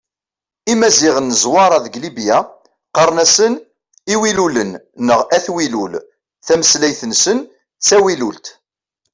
Imaziɣen n Zwaṛa deg Libya qqaren-asen Iwilulen neɣ At Wilul, tameslayt-nsen d tawilult.